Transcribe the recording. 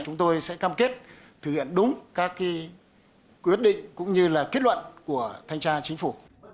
chúng tôi sẽ cam kết thực hiện đúng các quyết định cũng như là kết luận của thanh tra chính phủ